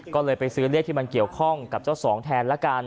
ก็เลยไปซื้อเลขที่มันเกี่ยวข้องกับเจ้าสองแทนละกัน